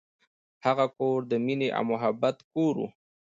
هغه کور د مینې او محبت کور و.